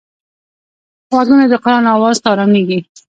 غوږونه د قرآن آواز ته ارامېږي